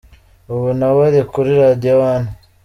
Ubu nawe ari kuri Radio One.